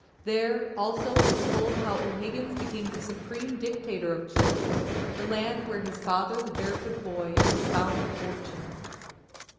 There, also, it is told how O'Higgins became the Supreme Dictator of Chile, the land where his father the barefoot boy, had found a fortune.